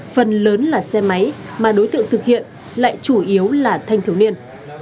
phần lớn là xe máy mà đối tượng thực hiện lại chủ yếu là thanh thiếu niên